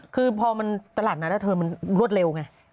คือพอมันตลาดนั้นแล้วเธอมันรวดเร็วไง